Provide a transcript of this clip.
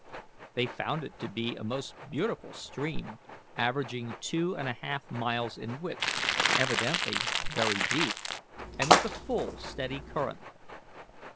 They found it to be a most beautiful stream, averaging two and a half miles in width, evidently very deep, and with a full, steady current.